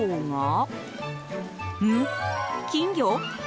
がん、金魚？